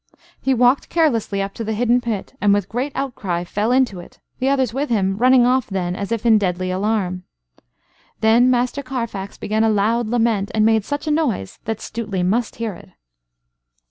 He walked carelessly up to the hidden pit and with great outcry fell into it, the others with him running off then as if in deadly alarm. Then Master Carfax began a loud lament, and made such a noise that Stuteley must hear it.